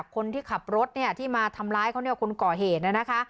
คนที่ขับรถเนี่ยที่มาทำร้ายเขาเนี่ยคนก่อเหตุนะคะ